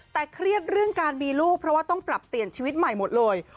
แต่เครียดเรื่องการมีลูกเพราะว่าต้องปรับเปลี่ยนชีวิตใหม่หมดเลย